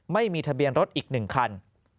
ไม่มีทะเบียนรถอีก๑คัน